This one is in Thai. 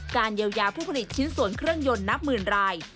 เยียวยาผู้ผลิตชิ้นส่วนเครื่องยนต์นับหมื่นราย